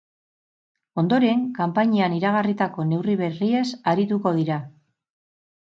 Ondoren, kanpainian iragarritako neurri berriez arituko dira.